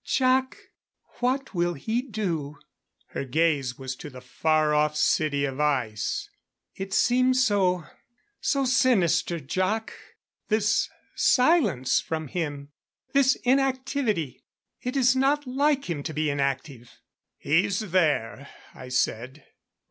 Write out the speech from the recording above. "Jac, what will he do?" Her gaze was to the far off City of Ice. "It seems so so sinister, Jac, this silence from him. This inactivity. It is not like him to be inactive." "He's there," I said.